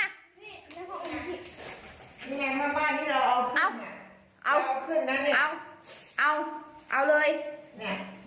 นี่ไงเพื่อนนี่เราเอาขึ้น